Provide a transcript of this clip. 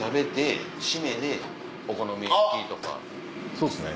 そうですね。